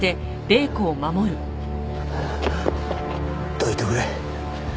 どいてくれ。